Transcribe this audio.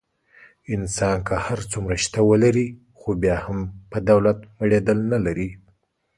انسان که هر څومره شته ولري. خو بیا هم په دولت مړېدل نه لري.